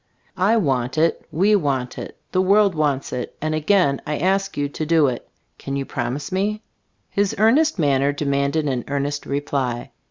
I want it; we want it ; the world wants it, and again I ask you to do it. Can you promise me?" His earnest manner demanded an earnest reply.